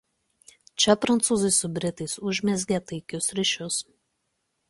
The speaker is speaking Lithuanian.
Čia prancūzai su britais užmezgė taikius ryšius.